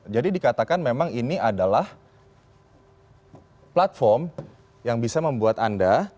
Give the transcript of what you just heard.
jadi dikatakan memang ini adalah platform yang bisa membuat anda